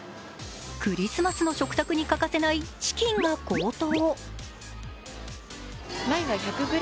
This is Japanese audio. クリスマスの食卓に欠かせないチキンが高騰。